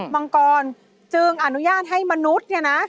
มังกรจึงอนุญาตให้มนุษย์เนี่ยนะ